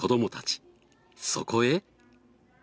そこへ。